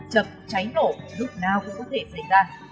chập cháy nổ lúc nào cũng có thể xảy ra